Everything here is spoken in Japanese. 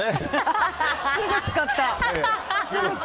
すぐ使った。